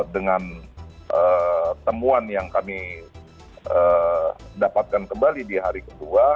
dengan temuan yang kami dapatkan kembali di hari kedua